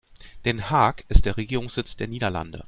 Den Haag ist der Regierungssitz der Niederlande.